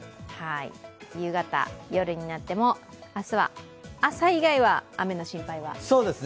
夕方、夜になっても明日は朝以外は雨の心配はなさそうです。